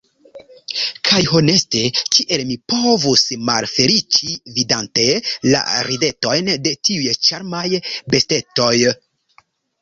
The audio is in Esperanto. Kaj honeste, kiel mi povus malfeliĉi vidante la ridetojn de tiuj ĉarmaj bestetoj?